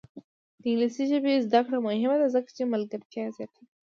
د انګلیسي ژبې زده کړه مهمه ده ځکه چې ملګرتیا زیاتوي.